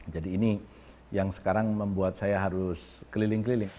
jadi ini yang sekarang membuat saya harus keliling keliling